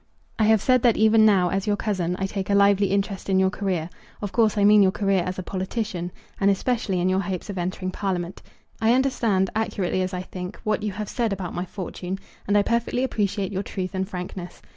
I have said that even now, as your cousin, I take a lively interest in your career, of course I mean your career as a politician, and especially in your hopes of entering Parliament. I understand, accurately as I think, what you have said about my fortune, and I perfectly appreciate your truth and frankness.